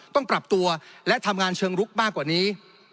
ต้องปรับตัวและทำงานเชิงลุกมากกว่านี้